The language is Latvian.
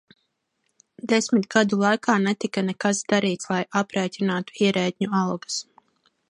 Desmit gadu laikā netika nekas darīts, lai aprēķinātu ierēdņu algas.